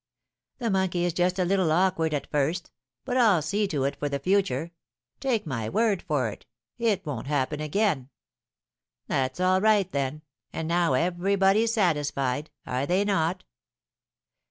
The monkey is just a little awkward at first, but I'll see to it for the future, take my word for it, it won't happen again.' 'That's all right, then, and now everybody's satisfied, are they not?'